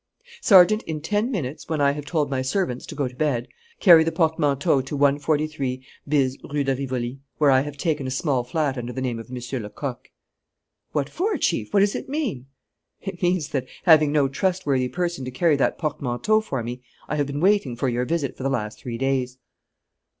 "Sergeant, in ten minutes, when I have told my servants to go to bed, carry the portmanteau to 143 bis Rue de Rivoli, where I have taken a small flat under the name of M. Lecocq." "What for, Chief? What does it mean?" "It means that, having no trustworthy person to carry that portmanteau for me, I have been waiting for your visit for the last three days."